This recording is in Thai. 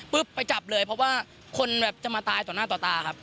ไปจับเลยเพราะว่าคนแบบจะมาตายต่อหน้าต่อตาครับ